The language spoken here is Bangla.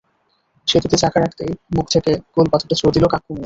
সেতুতে চাকা রাখতেই মুখ থেকে গোল পাথরটা ছুড়ে দিল কাক্কু মিয়া।